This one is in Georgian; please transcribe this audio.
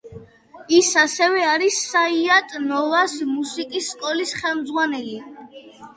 ის ასევე არის საიატ–ნოვას მუსიკის სკოლის ხელმძღვანელი.